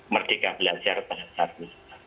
merdeka belajar pasar satu